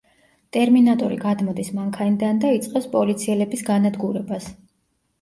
ტერმინატორი გადმოდის მანქანიდან და იწყებს პოლიციელების განადგურებას.